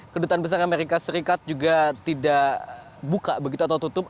kedutaan besar amerika serikat juga tidak buka begitu atau tutup